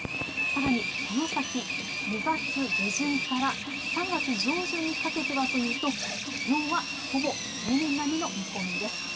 さらにこの先、２月下旬から３月上旬にかけてはというと気温はほぼ平年並みの見込みです。